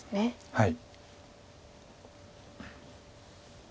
はい。